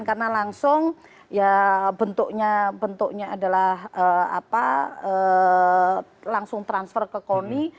karena langsung bentuknya adalah langsung transfer ke koni